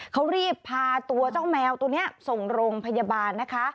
เขารีบพาตัวเจ้าแมวตัวนี้ส่งโรงพยาบาลนะคะ